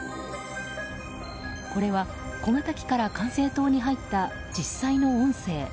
これは小型機から管制塔に入った実際の音声。